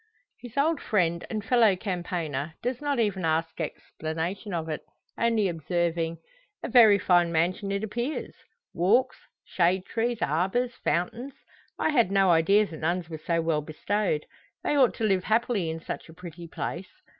His old friend and fellow campaigner does not even ask explanation of it, only observing "A very fine mansion it appears walks, shade trees, arbours, fountains. I had no idea the nuns were so well bestowed. They ought to live happily in such a pretty place.